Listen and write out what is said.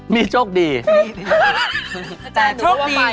แต่ขยะน้อยมากค่ะ